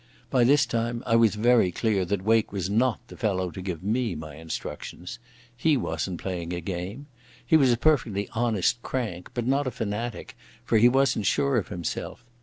By this time I was very clear that Wake was not the fellow to give me my instructions. He wasn't playing a game. He was a perfectly honest crank, but not a fanatic, for he wasn't sure of himself.